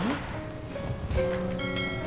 kamu udah bangun sayang